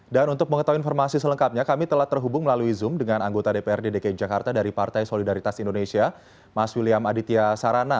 dan untuk mengetahui informasi selengkapnya kami telah terhubung melalui zoom dengan anggota dprd dki jakarta dari partai solidaritas indonesia mas william aditya sarana